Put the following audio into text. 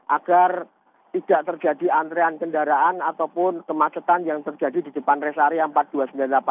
agar tidak terjadi antrean kendaraan ataupun kemacetan yang terjadi di depan res area empat ribu dua ratus sembilan puluh delapan